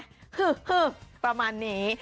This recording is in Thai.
ฮึะประมาณนี้